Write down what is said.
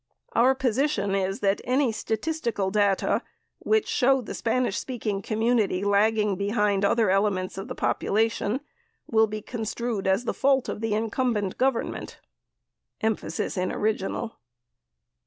... Our 'position is that any statistical data which show the Spanish Speaking community lagging behind other elements of the population will he construed as the fault of the incum bent governments [Emphasis in original.